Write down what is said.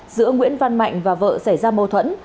giữa nguyễn văn mạnh và vợ xảy ra mâu thuẫn